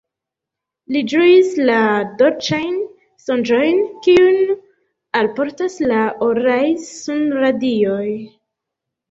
Li ĝuis la dolĉajn sonĝojn, kiujn alportas la oraj sunradioj.